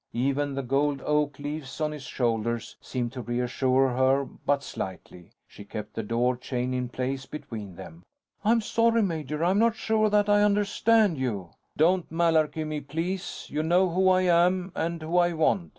Even the gold oak leaves on his shoulders seemed to reassure her but slightly. She kept the door chain in place between them. "I'm sorry, major. I'm not sure that I understand you." "Don't malarky me, please. You know who I am and who I want.